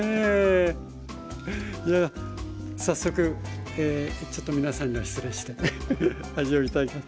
いや早速ちょっと皆さんには失礼して味をいただきます。